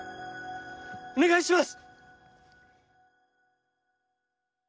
お願いします！